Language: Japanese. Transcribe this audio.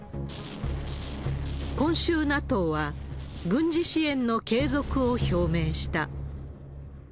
今週、ＮＡＴＯは軍事支援の継続を表明した。